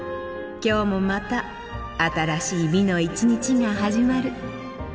今日もまた新しい美の一日が始まる。